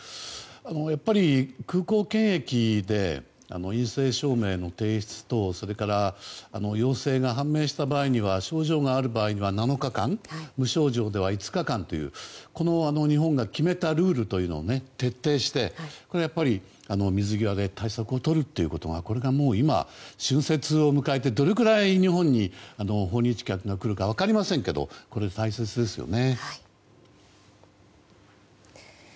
やっぱり、空港検疫で陰性証明の提出とそれから陽性が判明した場合には症状がある場合には７日間無症状では５日間という日本が決めたルールというのを徹底してやっぱり水際で対策をとるということがこれが今、春節を迎えてどれくらい日本に訪日客が来るか分かりませんけどこれは大切ですよね。